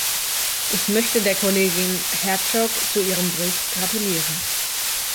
Ich möchte der Kollegin Herczog zu ihrem Bericht gratulieren.